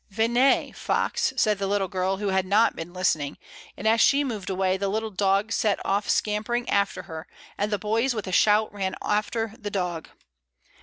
Venez, Fox," said the little girl, who had not been listening; and as she moved away, the little dog set off scampering after her, and the boys with a shout ran after the dog.